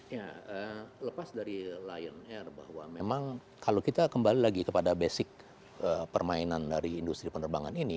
ya lepas dari lion air bahwa memang kalau kita kembali lagi kepada basic permainan dari industri penerbangan ini